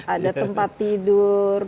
ada tempat tidur